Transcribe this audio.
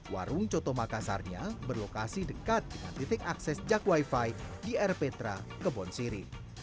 warung coto makassarnya berlokasi dekat dengan titik akses jak wifi di rptra kebon siri